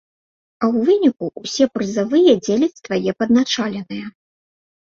А ў выніку ўсе прызавыя дзеляць твае падначаленыя!